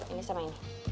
ini sama ini